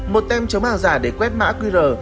một tem chống hàng giả để quét mã qr